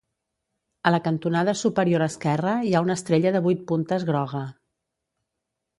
A la cantonada superior esquerra hi ha una estrella de vuit puntes groga.